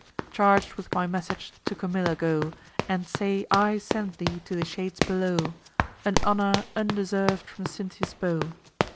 Charg'd with my message, to Camilla go, And say I sent thee to the shades below, An honour undeserv'd from Cynthia's bow."